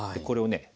これをね